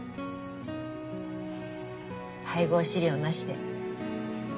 配合飼料なしで？